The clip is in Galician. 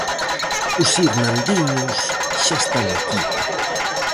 Os irmandiños xa están aquí!